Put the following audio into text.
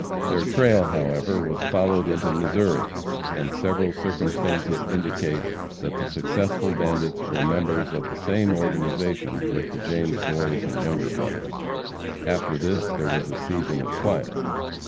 Their trail, however, was followed into Missouri, and several circumstances indicate that the successful bandits were members of the same organization with the James Boys and Younger Brothers. After this there was a season of quiet.